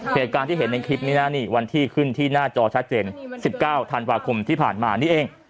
เหตุการณ์ที่เห็นในคลิปนี้นะนี่วันที่ขึ้นที่หน้าจอชัดเจน๑๙ธันวาคมที่ผ่านมานี่เอง